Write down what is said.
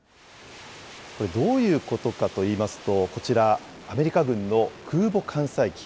これ、どういうことかといいますと、こちら、アメリカ軍の空母艦載機。